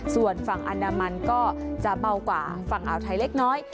ส่วนฝั่งอันดามันก็จะเบากว่าฝั่งอ่าวไทยเล็กน้อย